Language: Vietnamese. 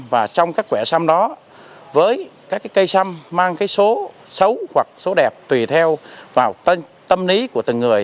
và trong các quẻ xăm đó với các cây xăm mang số xấu hoặc số đẹp tùy theo vào tâm lý của từng người